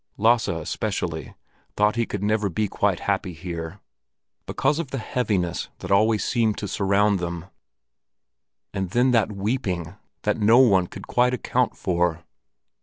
Lasse especially thought he could never be quite happy here, because of the heaviness that always seemed to surround them. And then that weeping that no one could quite account for!